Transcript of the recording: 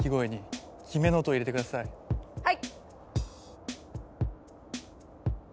はい！